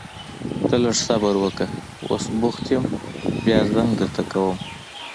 ته لږ صبر وکړه، اوس بوخت يم بيا زنګ درته کوم.